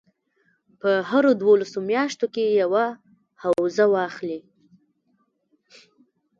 په هرو دولسو میاشتو کې یوه حوزه واخلي.